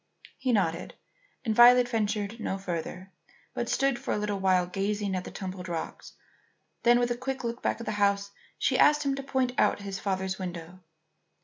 He nodded, and Violet ventured no farther, but stood for a little while gazing at the tumbled rocks. Then, with a quick look back at the house, she asked him to point out his father's window.